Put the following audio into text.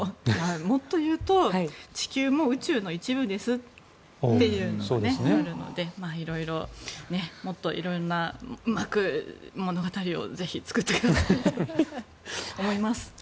もっと言うと地球も宇宙の一部ですっていうのがあるので色々もっと色んなうまく物語をぜひ、作ってくださいと思います。